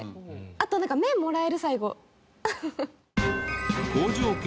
あとなんか麺もらえる最後。